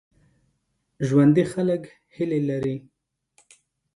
ژوندي خلک هیله لري